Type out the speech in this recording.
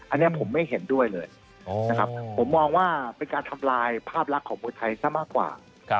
อันนี้ผมไม่เห็นด้วยเลยนะครับผมมองว่าเป็นการทำลายภาพลักษณ์ของมวยไทยซะมากกว่า